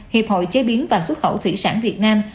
hiệp hội chế biến và xuất khẩu thủy sản việt nam